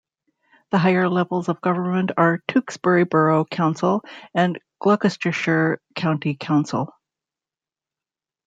The higher levels of government are Tewksbury Borough Council and Gloucestershire County Council.